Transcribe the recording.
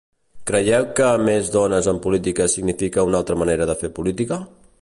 Creieu que més dones en política significa una altra manera de fer política?